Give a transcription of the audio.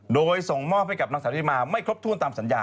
โดยส่งมอบให้กับนางสาวธิมาไม่ครบถ้วนตามสัญญา